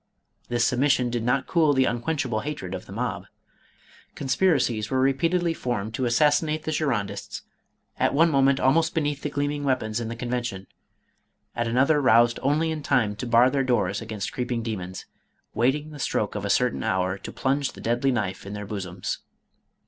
This submission did not cool the unquenchable hatred of the mob. Conspiracies were repeatedly formed to assassinate the Girondists, at one moment almost beneath the gleaming weapons in the Convention, at another roused only in time to bar their doors against creeping demons, waiting the stroke of a certain hour to plunge the deadly knife in their bosoms.